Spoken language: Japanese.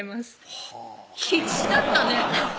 はぁ必死だったね